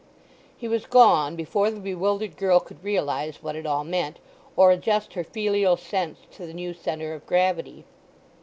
He was gone before the bewildered girl could realize what it all meant, or adjust her filial sense to the new center of gravity.